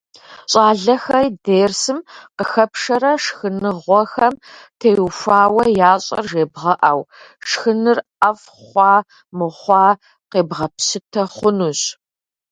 Щӏалэхэри дерсым къыхэпшэрэ шхыныгъуэхэм теухуауэ ящӏэр жебгъэӏэу, шхыныр ӏэфӏ хъуа-мыхъуа къебгъэпщытэ хъунущ.